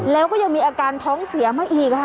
แล้วก็ยังมีอาการท้องเสียมาอีกค่ะ